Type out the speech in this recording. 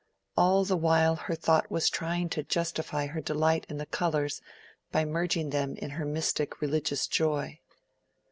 All the while her thought was trying to justify her delight in the colors by merging them in her mystic religious joy.